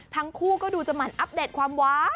ทั้งคู่ก็ดูจะหมั่นอัปเดตความว้า